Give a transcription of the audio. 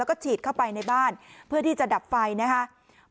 แล้วก็ฉีดเข้าไปในบ้านเพื่อที่จะดับไฟนะครับ